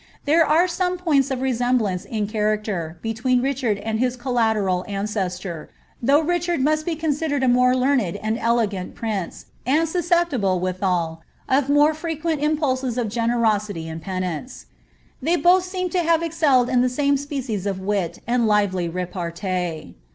There are some points of resemblance in character, between Richard and bis collateral ancestor, though Richard must be considered a more learned and elegant prince, and susceptible, withal, of more fre quent impulses of generosity and penitence. They both seem to have excelled in the same species of wit and lively repaitee.